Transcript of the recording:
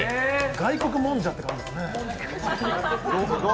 外国もんじゃって感じですね。